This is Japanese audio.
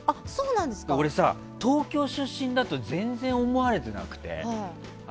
俺さ、東京出身だと全然思われてなくて。